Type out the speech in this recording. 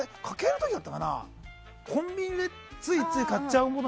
コンビニでついつい買っちゃうもの。